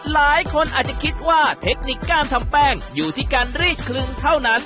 หลายคนอาจจะคิดว่าเทคนิคการทำแป้งอยู่ที่การรีดคลึงเท่านั้น